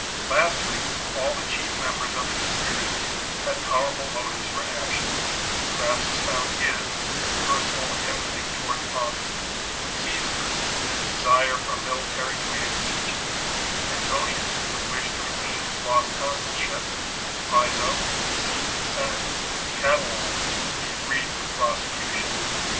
Lastly, all the chief members of the conspiracies had powerful motives for action ; Crassus found his in personal enmity towards Pompey, Caesar in his desire for a military command in Egypt ; Antonius would wish to regain his lost consulship, Piso, his seat in the Senate, Catiline, to be freed from prosecution.